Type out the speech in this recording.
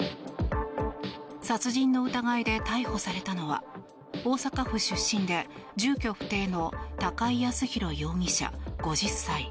殺人の疑いで逮捕されたのは大阪府出身で住居不定の高井靖弘容疑者、５０歳。